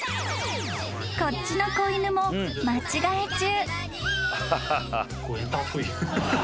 ［こっちの子犬も間違え中］